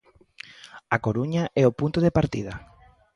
A Coruña é o punto de partida.